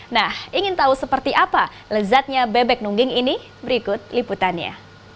nah ingin tahu seperti apa lezatnya bebek nungging ini berikut liputannya